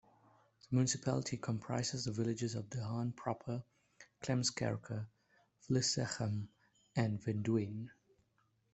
The municipality comprises the villages of De Haan proper, Klemskerke, Vlissegem and Wenduine.